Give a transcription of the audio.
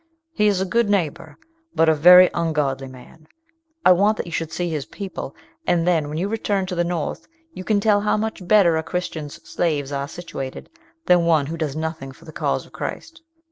He is a good neighbour, but a very ungodly man; I want that you should see his people, and then, when you return to the North, you can tell how much better a Christian's slaves are situated than one who does nothing for the cause of Christ."